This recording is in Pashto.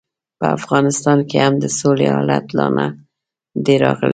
په افغانستان کې هم د سولې حالت لا نه دی راغلی.